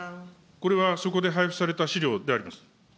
これはそこで配布された資料であります。